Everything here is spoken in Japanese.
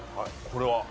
これは。